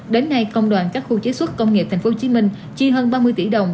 đến nay công đoàn các khu chế xuất công nghiệp tp hcm chi hơn ba mươi tỷ đồng